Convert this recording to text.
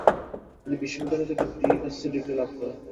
তিনি বিশ্ববিদ্যালয় থেকে ডি.এসসি ডিগ্রি লাভ করেন।